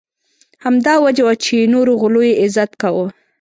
همدا وجه وه چې نورو غلو یې عزت کاوه.